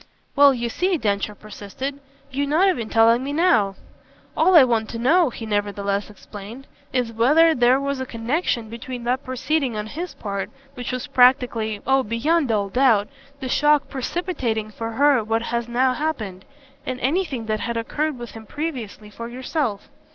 "Well, you see," Densher persisted, "you're not even telling me now. All I want to know," he nevertheless explained, "is whether there was a connexion between that proceeding on his part, which was practically oh beyond all doubt! the shock precipitating for her what has now happened, and anything that had occurred with him previously for yourself.